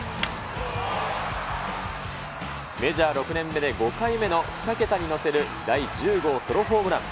メジャー６年目で５回目の２桁に乗せる第１０号ソロホームラン。